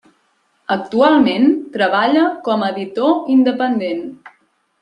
Actualment treballa com a editor independent.